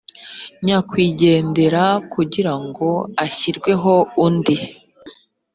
nyakwigendera kugira ngo hashyirweho undi